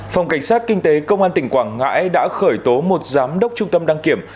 phòng cảnh sát kinh tế công an tỉnh quảng ngãi đã khởi tố một giám đốc trung tâm đăng kiểm